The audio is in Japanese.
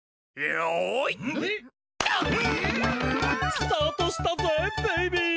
スタートしたぜベイビー。